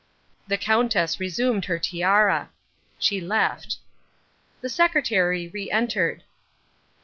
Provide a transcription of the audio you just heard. The Countess resumed her tiara. She left. The secretary re entered.